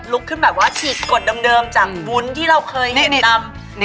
ขึ้นแบบว่าฉีกกฎเดิมจากวุ้นที่เราเคยแนะนำ